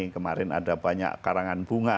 kemarin ada banyak karangan bunga